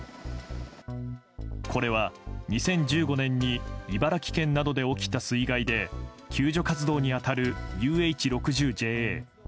これは２０１５年に茨城県などで起きた水害で救助活動に当たるＵＨ６０ＪＡ。